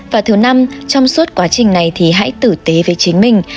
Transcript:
và thứ năm trong suốt quá trình này thì hãy tử tế với chính mình